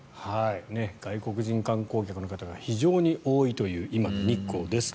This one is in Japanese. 外国人観光客の方が非常に多いという今の日光です。